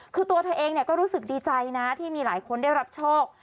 คือตัวเธอเองก็รู้สึกดีใจนะที่มีหลายคนได้รับโชค